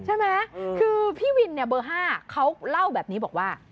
ใช่ไหมคือพี่วินเนี่ยเบอร์๕เขาเล่าแบบนี้บอกว่า